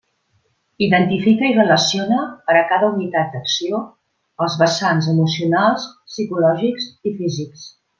Identifica i relaciona, per a cada unitat d'acció, els vessants emocionals, psicològics i físics.